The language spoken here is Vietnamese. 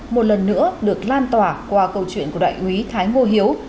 một lần nữa được lan tỏa qua câu chuyện của đại úy thái ngô hiếu